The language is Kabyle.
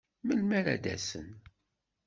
Melmi ara d-asen?